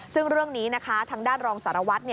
ซึ่งเรื่องนี้นะคะทางด้านรองสารวัตร